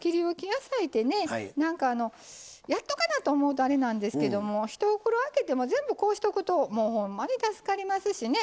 野菜ってねやっとかなと思うとあれなんですけども１袋開けても全部こうしとくとほんまに助かりますしね